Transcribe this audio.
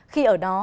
khi ở đó